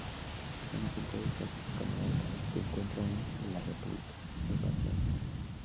Un ejemplo de esta crítica moral se encuentra en "La República" de Platón.